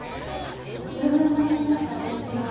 ぐるぐる巻きになった電線がある。